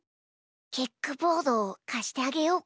キックボードかしてあげようか？